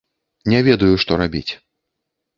Не ведаю, што рабіць.